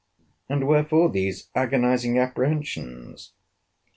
and wherefore these agonizing apprehensions?